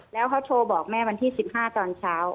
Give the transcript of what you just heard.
แล้วเขาโทรบอกแม่วันที่๑๕ตอนเช้า